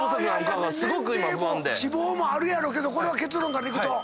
年齢も脂肪もあるやろうけどこれは結論からいくと？